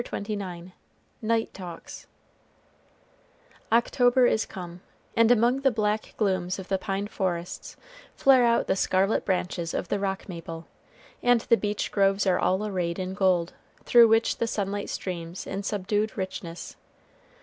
CHAPTER XXIX NIGHT TALKS October is come, and among the black glooms of the pine forests flare out the scarlet branches of the rock maple, and the beech groves are all arrayed in gold, through which the sunlight streams in subdued richness.